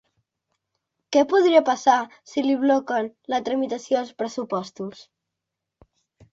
Què podria passar si li bloquen la tramitació dels pressupostos?